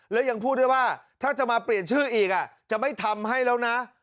แล้วยังพูดด้วยว่าถ้าจะมาเปลี่ยนชื่ออีกจะไม่ทำให้แล้วนะ